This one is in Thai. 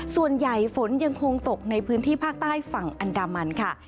ฝนยังคงตกในพื้นที่ภาคใต้ฝั่งอันดามันค่ะ